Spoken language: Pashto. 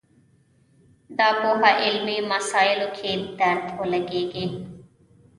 دا پوهه علمي مسایلو کې درد ولګېږي